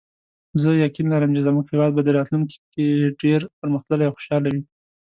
زه یقین لرم چې زموږ هیواد به راتلونکي کې ډېر پرمختللی او خوشحاله وي